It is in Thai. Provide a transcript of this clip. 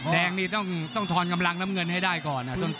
แดงนี่ต้องทอนกำลังน้ำเงินให้ได้ก่อน